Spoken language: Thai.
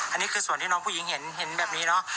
อันนี้คือส่วนที่น้องผู้หญิงเห็นแบบนี้เนอะ